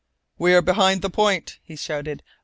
"We are behind the point," he shouted.